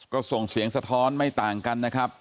ก็ส่งเสียงสะท้อนไม่ต่างกันนะครับ